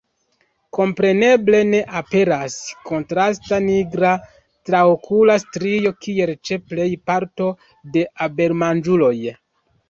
Kompreneble ne aperas kontrasta nigra traokula strio, kiel ĉe plej parto de abelmanĝuloj.